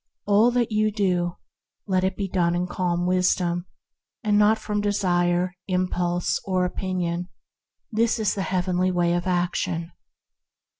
" All that you do, let it be done in calm wisdom and not from desire, impulse, or opinion; this is the Heavenly way of action.